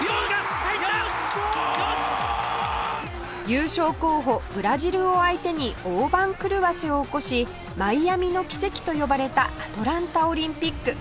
優勝候補ブラジルを相手に大番狂わせを起こし「マイアミの奇跡」と呼ばれたアトランタオリンピック